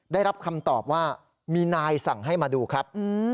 ได้รับคำตอบว่ามีนายสั่งให้มาดูครับ